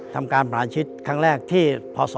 ทำการประหลาดชีวิตครั้งแรกที่พศ๔๗๘